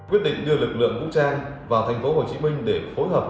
quyết định đưa lực lượng vũ trang vào thành phố hồ chí minh để phối hợp